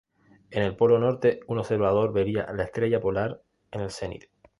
En el polo norte un observador vería la estrella polar en el zenit.